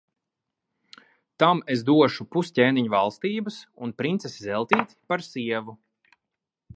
Tam es došu pus ķēniņa valstības un princesi Zeltīti par sievu.